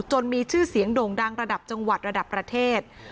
มีชื่อเสียงโด่งดังระดับจังหวัดระดับประเทศ